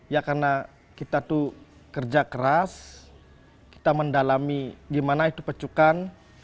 ya karena kita tuh kerja keras kita mendalami gimana itu pecukan